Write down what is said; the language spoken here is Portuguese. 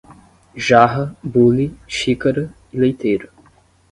Jarra, bule, xícara e leiteira